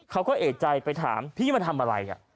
เขาก็เอกใจไปถามพี่มาทำอะไร